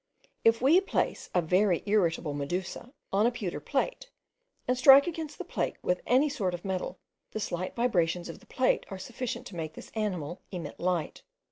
If we place a very irritable medusa on a pewter plate, and strike against the plate with any sort of metal, the slight vibrations of the plate are sufficient to make this animal emit light.